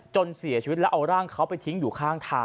จนเสียชีวิตแล้วเอาร่างเขาไปทิ้งอยู่ข้างทาง